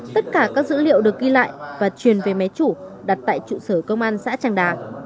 tất cả các dữ liệu được ghi lại và truyền về máy chủ đặt tại trụ sở công an xã tràng đà